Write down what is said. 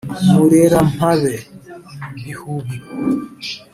murerampabe, bihubi